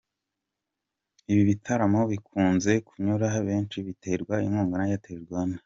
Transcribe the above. Ibi bitaramo bikunze kunyura benshi biterwa inkunga na Airtel Rwanda.